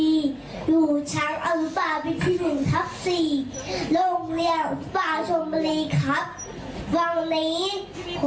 อยู่ช้างอุปาวิทยุ๑ทัก๔โรงเรียนอุปาชมรีครับ